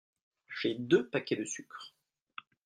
J'ai deux paquets de sucre.